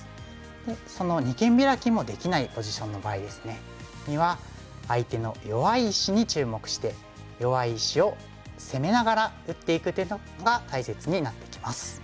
で二間ビラキもできないポジションの場合ですねには相手の弱い石に注目して弱い石を攻めながら打っていく手が大切になってきます。